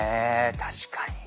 確かに。